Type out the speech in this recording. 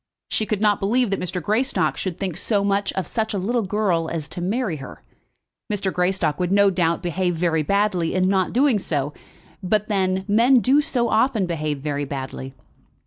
She could not believe that Mr. Greystock should think so much of such a little girl as to marry her. Mr. Greystock would no doubt behave very badly in not doing so; but then men do so often behave very badly!